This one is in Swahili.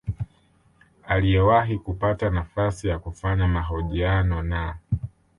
aliyewahi kupata nafasi ya kufanya mahojiano na